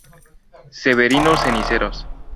Severino Ceniceros.